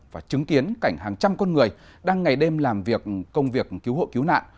và chứng kiến cảnh hàng trăm con người đang ngày đêm làm việc công việc cứu hộ cứu nạn